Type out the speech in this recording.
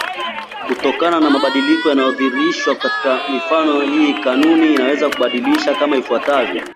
Kutokana na mabadiliko yanayodhihirishwa katika mifano hii kanuni inaweza kubainishwa kama ifuatavyo